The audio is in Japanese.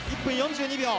１分４２秒。